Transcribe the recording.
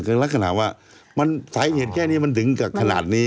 ก็รักษณะว่าสายเหยียดแค่นี้มันถึงกับขนาดนี้